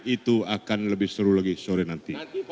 itu akan lebih seru lagi sore nanti